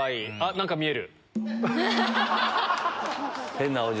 何か見える。